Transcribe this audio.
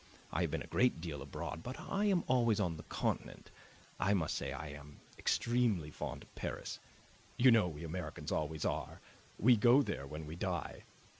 I have been a great deal abroad, but I am always on the Continent. I must say I'm extremely fond of Paris; you know we Americans always are; we go there when we die.